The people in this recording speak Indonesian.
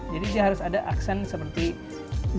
jadi dia harus ada aksen seperti zigzag